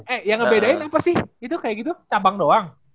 eh yang ngebedain apa sih itu kayak gitu cabang doang